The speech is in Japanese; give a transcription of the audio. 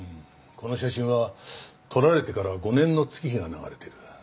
この写真は撮られてから５年の月日が流れてる。